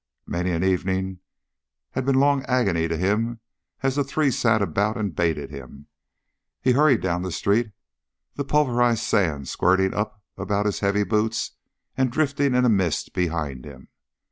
Many an evening had been long agony to him as the three sat about and baited him. He hurried down the street, the pulverized sand squirting up about his heavy boots and drifting in a mist behind him.